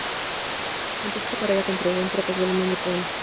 Empezó su carrera con un precoz volumen de poemas.